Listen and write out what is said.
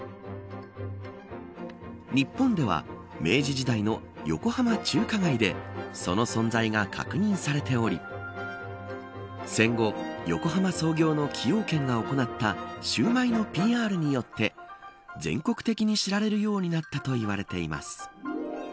日本では明治時代の横浜中華街でその存在が確認されており戦後、横浜創業の崎陽軒が行ったシューマイのＰＲによって全国的に知られるようになったと言われています。